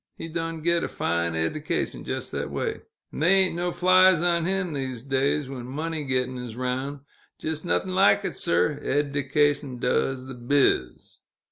He done git a fine eddication jes' thet way, 'n' they ain't no flies on him, these days, when money gett'n' is 'roun'. Jes' noth'n' like it, sir r! Eddication does th' biz!"